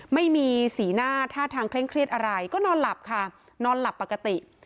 ไม่มีสีหน้าท่าทางเคร่งเครียดอะไรก็นอนหลับค่ะนอนหลับปกติ